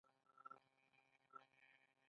کاش دا نوښتونه د انسان د آسوده ګۍ لپاره وای